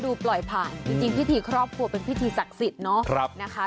ปล่อยผ่านจริงพิธีครอบครัวเป็นพิธีศักดิ์สิทธิ์เนาะนะคะ